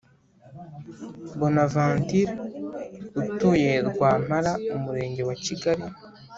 Bonaventure utuye Rwampara Umurenge wa kigali